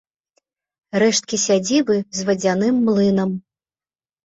Рэшткі сядзібы з вадзяным млынам.